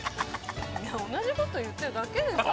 同じこと言ってるだけですよ